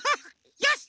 よし！